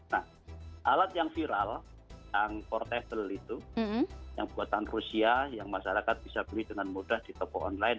nah alat yang viral yang portable itu yang buatan rusia yang masyarakat bisa beli dengan mudah di toko online